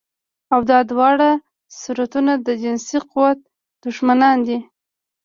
او دا دواړه صورتونه د جنسي قوت دښمنان دي